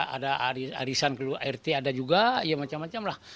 ada arisan keluar rt ada juga ya macam macam lah